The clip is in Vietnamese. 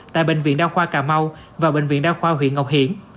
tại bệnh viện đa khoa cà mau và bệnh viện đa khoa huyện ngọc hiển